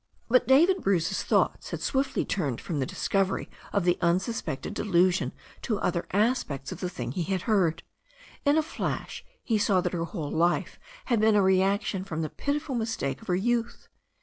But David Bruce's thoughts had swiftly turned from the discovery of the unsuspected delusion to the other aspects of the thing he had heard. In a flash he saw that her whole life had been a reaction from the pitiful mistake of her youth.